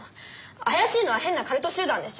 怪しいのは変なカルト集団でしょ。